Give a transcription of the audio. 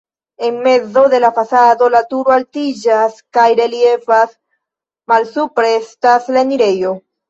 En mezo de la fasado la turo altiĝas kaj reliefas, malsupre estas la enirejo.